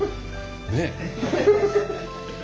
ねえ？